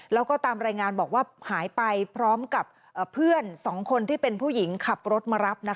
แล้วก็ตามรายงานบอกว่าหายไปพร้อมกับเพื่อน๒คนที่เป็นผู้หญิงขับรถมารับนะคะ